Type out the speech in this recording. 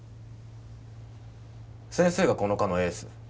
先生がこの科のエース？